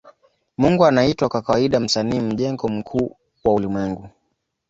Mungu anaitwa kwa kawaida Msanii majengo mkuu wa ulimwengu.